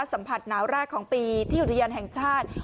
สัมผัสหนาวรากของปีที่อยู่ทะเลยนแห่งชาติ